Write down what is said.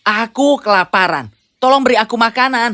aku kelaparan tolong beri aku makanan